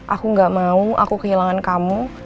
aku gak mau aku kehilangan kamu